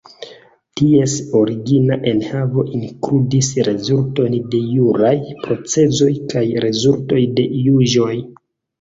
Ties origina enhavo inkludis rezultojn de juraj procesoj kaj rezultoj de juĝoj.